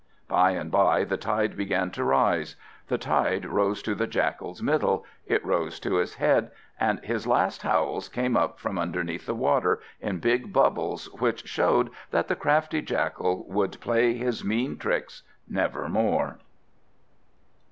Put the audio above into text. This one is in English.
By and by the tide began to rise. The tide rose to the Jackal's middle, it rose to his head; and his last howls came up from underneath the water in big bubbles, which showed that the crafty Jackal would play his mean tricks never more.